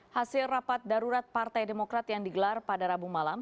hasil rapat darurat partai demokrat yang digelar pada rabu malam